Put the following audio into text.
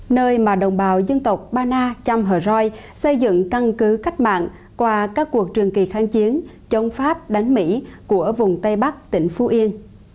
nơi mà đồng bào dân tộc ba na chăm hờ roi xây dựng căn cứ cách mạng qua các cuộc trường kỳ kháng chiến chống pháp đánh mỹ của vùng tây bắc tỉnh phú yên